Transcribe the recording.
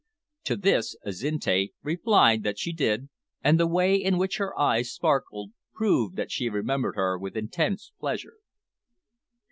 To this Azinte replied that she did, and the way in which her eyes sparkled proved that she remembered her with intense pleasure.